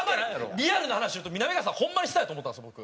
リアルな話言うとみなみかわさんホンマに下やと思ったんです僕。